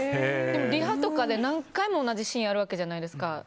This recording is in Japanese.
でもリハとかで何回も同じシーンをやるわけじゃないですか。